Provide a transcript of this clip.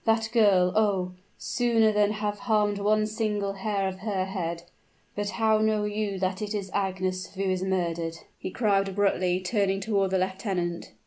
"That girl oh! sooner than have harmed one single hair of her head But how know you that it is Agnes who is murdered?" he cried abruptly, turning toward the lieutenant.